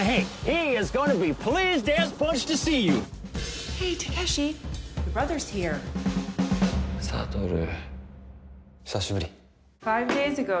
久しぶり。